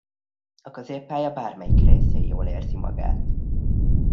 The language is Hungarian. A középpálya bármelyik részén jól érzi magát.